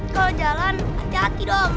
kalau jalan hati hati dong